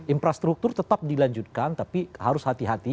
infrastruktur tetap dilanjutkan tapi harus hati hati